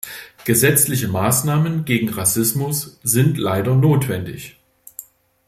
Gesetzliche Maßnahmen gegen Rassismus sind leider notwendig.